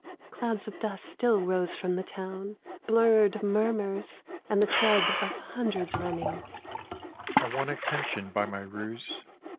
Clouds of dust still rose from the town — Blurred murmurs And the tread of hundreds running. " I won attention by my ruse.